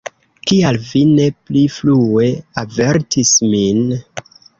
Kial vi ne pli frue avertis min?